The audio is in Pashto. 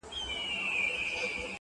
لا زر کلونه زرغونیږي ونه٫